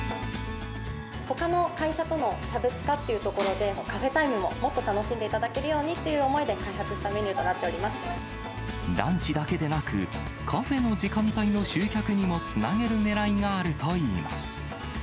ほかの会社との差別化というところで、カフェタイムも、もっと楽しんでいただけるようにという思いで開発したメニューとランチだけでなく、カフェの時間帯の集客にもつなげるねらいがあるといいます。